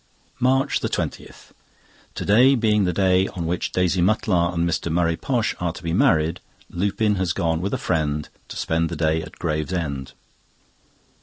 MARCH 20.—To day being the day on which Daisy Mutlar and Mr. Murray Posh are to be married, Lupin has gone with a friend to spend the day at Gravesend.